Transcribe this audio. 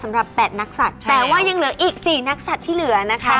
สำหรับ๘นักสัตว์แต่ว่ายังเหลืออีก๔นักสัตว์ที่เหลือนะคะ